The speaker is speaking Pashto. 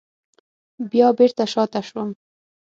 بیا بېرته شاته شوم.